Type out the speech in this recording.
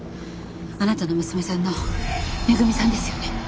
あなたの娘さんのめぐみさんですよね？